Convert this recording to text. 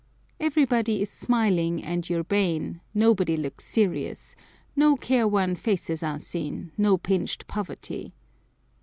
Everybody is smiling and urbane, nobody looks serious; no careworn faces are seen, no pinched poverty.